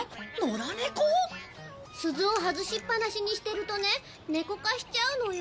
鈴を外しっぱなしにしてるとね猫化しちゃうのよ。